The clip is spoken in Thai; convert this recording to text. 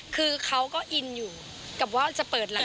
คือเขาก็อินอยู่กับว่าจะเปิดหลัง